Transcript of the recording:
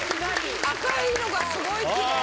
赤いのがすごいキレイ。